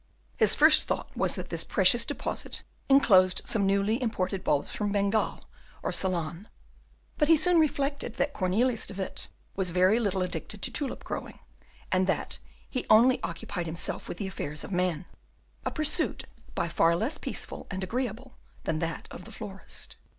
His first thought was that this precious deposit enclosed some newly imported bulbs from Bengal or Ceylon; but he soon reflected that Cornelius de Witt was very little addicted to tulip growing, and that he only occupied himself with the affairs of man, a pursuit by far less peaceful and agreeable than that of the florist.